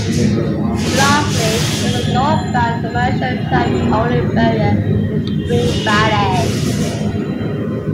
Lastly, there is a northbound, commercial traffic-only barrier in Spring Valley.